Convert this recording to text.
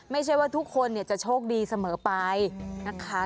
ไม่ใช่ว่าทุกคนจะโชคดีเสมอไปนะคะ